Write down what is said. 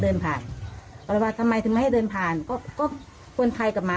เป็นไปได้ไหมเค้าเหม็นขี้หน้า